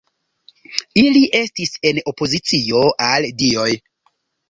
Ili estis en opozicio al dioj.